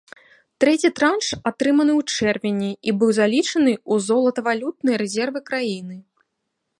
Трэці транш атрыманы ў чэрвені і быў залічаны ў золатавалютныя рэзервы краіны.